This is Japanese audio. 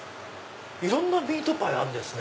いろんなミートパイあるんですね。